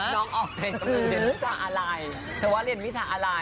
น้องออกไงเรียนวิจารณ์อะไรเขาว่าเรียนวิจารณ์อะไร